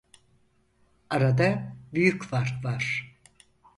Arada büyük fark var.